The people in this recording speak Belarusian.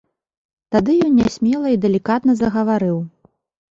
Тады ён нясмела і далікатна загаварыў.